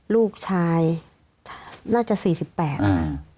ลูกชายน่าจะ๔๘นะคะ